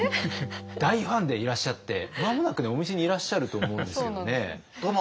大ファンでいらっしゃって間もなくお店にいらっしゃると思うんですけどね。